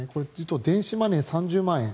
電子マネー３０万円